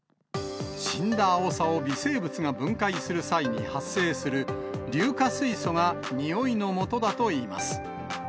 死んだアオサを微生物が分解する際に発生する硫化水素が、においのもとだといいます。